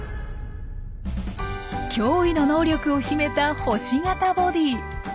驚異の能力を秘めた星形ボディー。